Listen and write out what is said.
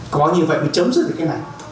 có như vậy mới chấm dứt được cái này